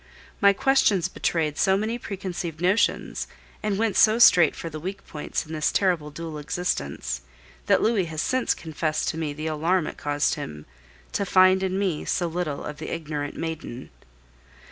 My questions betrayed so many preconceived notions, and went so straight for the weak points in this terrible dual existence, that Louis has since confessed to me the alarm it caused him to find in me so little of the ignorant maiden.